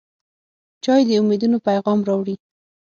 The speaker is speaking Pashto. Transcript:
چای د امیدونو پیغام راوړي.